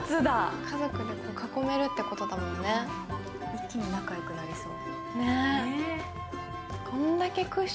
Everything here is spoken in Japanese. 一気に仲よくなりそう。